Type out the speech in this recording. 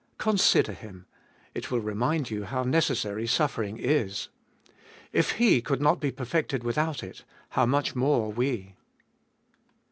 Consider Him. It will remind you how necessary suffering is. If He could not be perfected with out it, how much more we.